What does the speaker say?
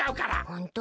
ホント？